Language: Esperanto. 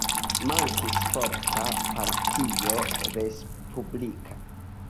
Mankis forta partio respublika.